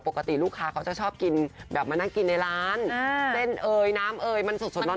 ปกติลูกค้าเขาจะชอบกินแบบมานั่งกินในร้านเส้นเอยน้ำเอยมันสดสดร้อน